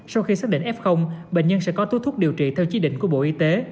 sau khi xác định f bệnh nhân sẽ có thuốc điều trị theo chí định của bộ y tế